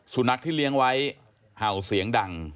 สุนัขที่เลี้ยงไว้เห่าเสียงดัง